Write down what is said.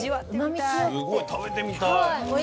すごい食べてみたい。